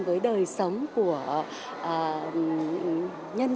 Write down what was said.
với đời sống của nhân dân